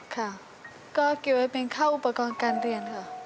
ค่ะก็เก็บไว้เป็นค่าอุปกรณ์การเรียนค่ะ